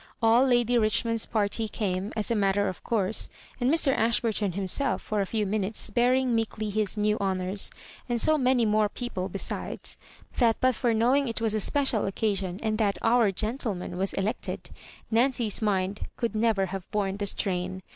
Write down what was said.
All Lady Richmond's parl^ came, as a matter of course, and Mr. Ashburton himself for a few minutes, bearing meekly his new honours ; and so many more people besides, that but for knowing it was a special occasion, and that "our gentleman" was elected, Nancy's mind never could have borne the strain.